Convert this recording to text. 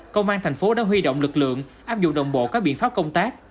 công an tp hcm đã huy động lực lượng áp dụng đồng bộ các biện pháp công tác